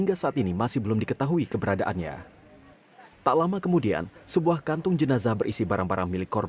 bupati sleman berjanji akan menanggung biaya pengobatan mereka dan akan segera memberi santunan bagi yang meninggal